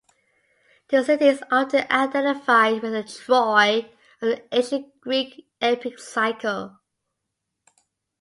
The city is often identified with the Troy of the Ancient Greek Epic Cycle.